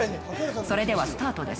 それでは、スタートです。